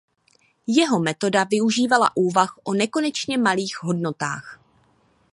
Jeho metoda využívala úvah o nekonečně malých hodnotách.